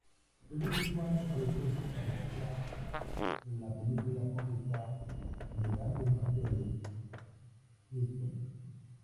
Ese mismo año apareció como extra en la película cómica de artes marciales "Mr.